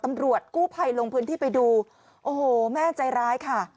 ตำรวจกู้ภัยลงพื้นที่ไปดูโอ้โหแม่ใจร้ายค่ะ